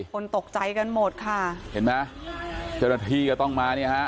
คนตกใจกันหมดค่ะเห็นไหมเจ้าหน้าที่ก็ต้องมาเนี่ยฮะ